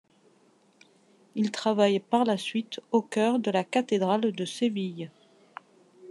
Il travaille par la suite au chœur de la cathédrale de Séville.